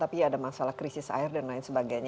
tapi ada masalah krisis air dan lain sebagainya